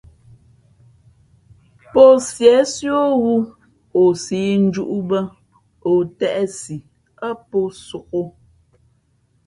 Pō síésí ō wū o sīʼ njūʼ bᾱ, o têʼsi ά pō sōk ō.